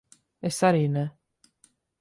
Es arī ne.